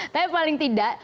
tapi paling tidak